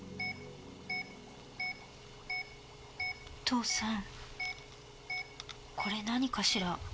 父さんこれ何かしら？